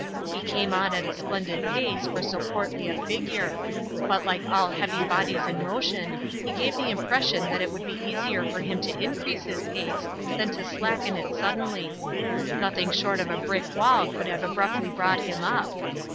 He came on at a splendid pace for so portly a figure; but, like all heavy bodies in motion, he gave the impression that it would be easier for him to increase his pace than to slacken it suddenly. Nothing short of a brick wall could have abruptly brought him up.